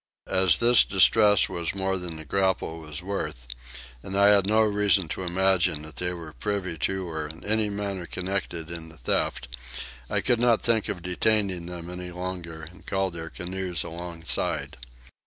As this distress was more than the grapnel was worth, and I had no reason to imagine that they were privy to or in any manner concerned in the theft, I could not think of detaining them longer and called their canoes alongside.